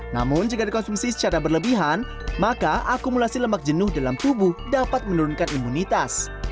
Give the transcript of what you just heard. namun jika dikonsumsi secara berlebihan maka akumulasi lemak jenuh dalam tubuh dapat menurunkan imunitas